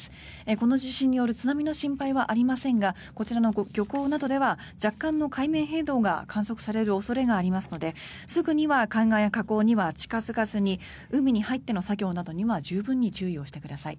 この地震による津波の心配はありませんがこちらの漁港などでは若干の海面変動が観測される恐れがありますのですぐには海岸や河口には近付かずに海に入っての作業には十分に注意をしてください。